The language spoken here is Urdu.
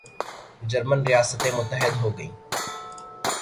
جرمن ریاستیں متحد ہوگئیں